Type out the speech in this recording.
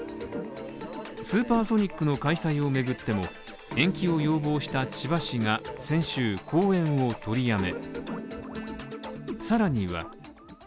ＳＵＰＥＲＳＯＮＩＣの開催を巡っても、延期を要望した千葉市が先週、後援を取りやめ。